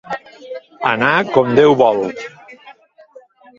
Anar com Déu vol.